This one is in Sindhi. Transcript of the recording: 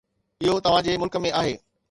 اهو توهان جي ملڪ ۾ آهي.